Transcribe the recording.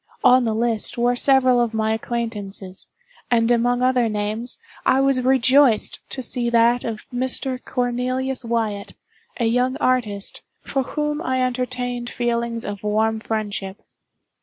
On the list were several of my acquaintances, and among other names, I was rejoiced to see that of Mr. Cornelius Wyatt, a young artist, for whom I entertained feelings of warm friendship.